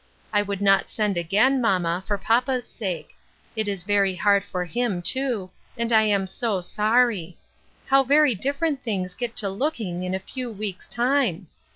I would not send again, mamma, for papa's sake ; it is very hard for him, too, and I am so sorry. How very different things get to looking in a few weeks' rime